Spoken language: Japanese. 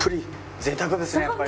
贅沢ですねやっぱり。